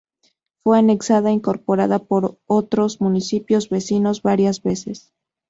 Fue anexada e incorporada por otros municipios vecinos varias veces.